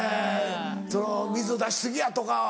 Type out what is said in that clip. その「水出し過ぎや」とか。